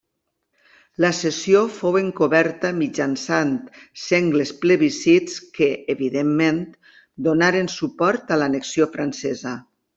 La cessió fou encoberta mitjançant sengles plebiscits que, evidentment, donaren suport a l'annexió francesa.